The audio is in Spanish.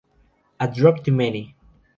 A Drop Too Many.